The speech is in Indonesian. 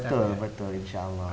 betul betul insyaallah